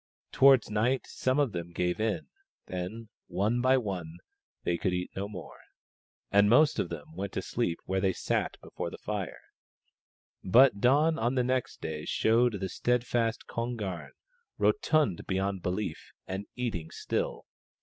Towards night some of them gave in ; then, one by one, they could eat no more, and most of them went to sleep where they sat before the fire. But dawn on the next day showed the steadfast Kon garn, rotund beyond belief, and eating still.